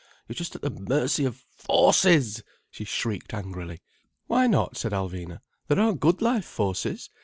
You're just at the mercy of Forces," she shrieked angrily. "Why not?" said Alvina. "There are good life forces.